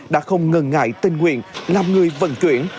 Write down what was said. đã không ngần ngại tình nguyện làm người vận chuyển